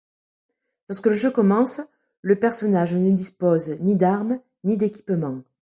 Lorsque le jeu commence, le personnage ne dispose ni d’armes, ni d’équipement.